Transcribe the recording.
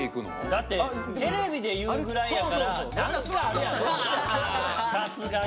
だってテレビで言うぐらいやから何かあるやろさすがに。